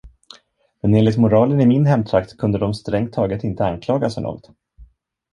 Men enligt moralen i min hemtrakt kunde de strängt taget inte anklagas för något.